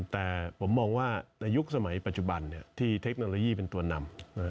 แต่ผมมองว่าในยุคสมัยปัจจุบันที่เทคโนโลยีเป็นตัวนำ